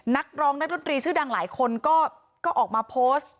นักร้องนักดนตรีชื่อดังหลายคนก็ออกมาโพสต์